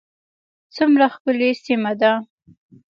څومره ښکلې سیمه ده